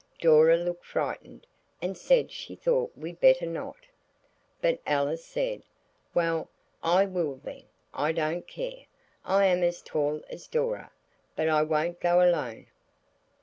Dora looked frightened, and said she thought we'd better not. But Alice said, "Well, I will, then. I don't care. I'm as tall as Dora. But I won't go alone.